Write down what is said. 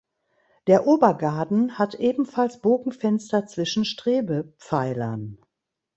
Der Obergaden hat ebenfalls Bogenfenster zwischen Strebepfeilern.